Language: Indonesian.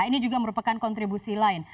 ini juga merupakan kontribusi lain